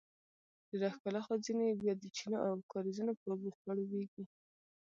ډیره ښکلا خو ځینې یې بیا د چینو او کاریزونو په اوبو خړوبیږي.